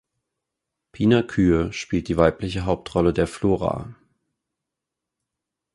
Pina Kühr spielt die weibliche Hauptrolle der Flora.